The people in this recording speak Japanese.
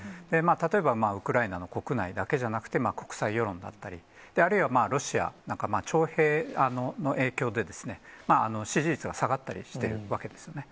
例えば、ウクライナの国内だけではなくて、国際世論だったり、あるいはロシアなんか、徴兵の影響で、支持率は下がったりしているわけですよね。